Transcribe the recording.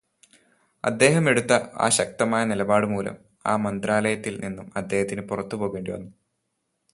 അദ്ദേഹം എടുത്ത ആ ശക്തമായ നിലപാടു മൂലം ആ മന്ത്രാലയത്തിൽ നിന്നും അദ്ദേഹത്തിനു പുറത്തു പോകേണ്ടിവന്നു.